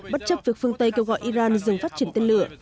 bất chấp việc phương tây kêu gọi iran dừng phát triển tên lửa